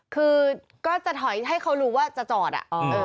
คือก็จะถอยให้เขารู้ว่าจะจอดอ่ะ